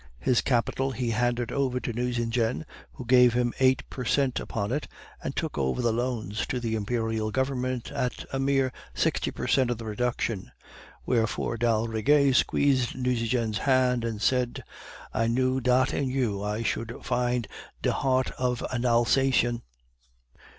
His capital he handed over to Nucingen, who gave him eight per cent upon it, and took over the loans to the Imperial Government at a mere sixty per cent of reduction; wherefore d'Aldrigger squeezed Nucingen's hand and said, 'I knew dot in you I should find de heart of ein Elzacien.